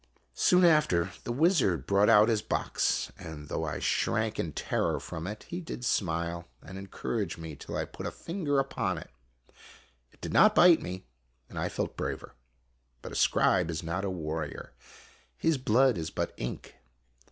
Soon after, the wizard brought out his box, and though I shrank O O in terror from it, he did smile and encourage me till I put a finger upon it. It bit me not, and I felt braver. But a scribe is not a war rior. His blood is but ink.